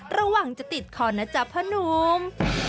ระหว่างจะติดคอนะจับพะหนุ่ม